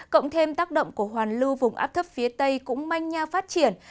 cộng thêm tác động của hoàn lưu vùng áp thấp phía tây cũng manh nha phát triển